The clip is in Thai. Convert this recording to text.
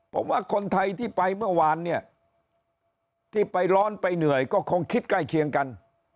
ผมว่าคนไทยที่ไปเมื่อวานเนี่ยที่ไปร้อนไปเหนื่อยก็คงคิดใกล้เคียงกัน